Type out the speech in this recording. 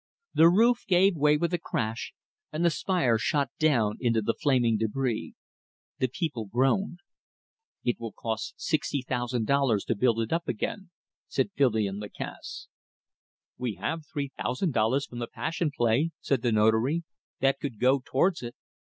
The roof gave way with a crash, and the spire shot down into the flaming debris. The people groaned. "It will cost sixty thousand dollars to build it up again," said Filion Lacasse. "We have three thousand dollars from the Passion Play," said the Notary. "That could go towards it."